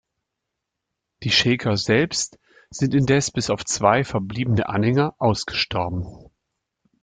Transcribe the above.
Die Shaker selbst sind indes bis auf zwei verbliebene Anhänger ausgestorben.